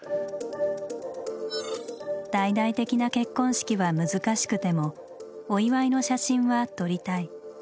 大々的な結婚式は難しくてもお祝いの写真は撮りたい。